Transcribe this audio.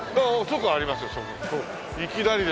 いきなりですよ。